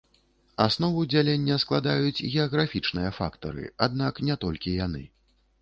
Аснову дзялення складаюць геаграфічныя фактары, аднак не толькі яны.